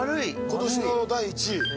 今年の第一位。